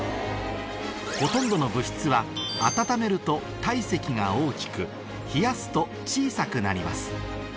ほとんどの物質は温めると体積が大きく冷やすと小さくなります